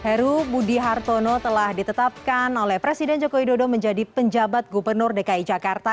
heru budi hartono telah ditetapkan oleh presiden joko widodo menjadi penjabat gubernur dki jakarta